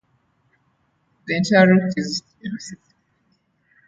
The entire route is in Mississippi.